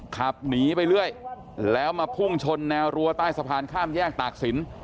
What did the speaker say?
ขับหนีไปเรื่อยแล้วมาพุ่งชนแนวรัวใต้สะพานข้ามแยกตากศิลป